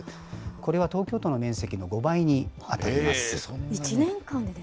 これは東京都の面積の５倍に当たそんなに？